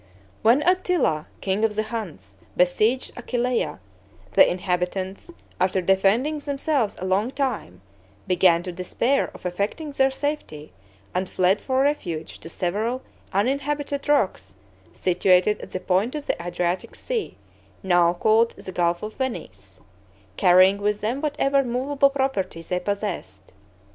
When Attila, king of the Huns, besieged Aquileia, the inhabitants, after defending themselves a long time, began to despair of effecting their safety, and fled for refuge to several uninhabited rocks, situated at the point of the Adriatic Sea, now called the Gulf of Venice, carrying with them whatever movable property they possessed.